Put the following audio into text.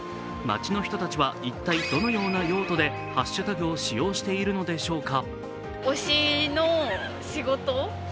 街の人たちは一体どのような用途でハッシュタグを使用しているのでしょうか。